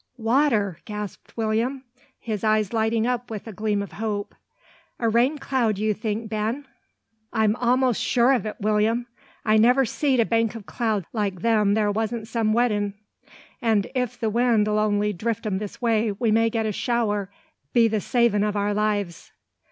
"Water!" gasped William, his eyes lighting up with gleam of hope. "A rain cloud you think, Ben?" "I'm a'most sure o't, Will'm. I never seed a bank o' clouds like them there wasn't some wet in; and if the wind 'll only drift 'em this way, we may get a shower 'll be the savin' o' our lives.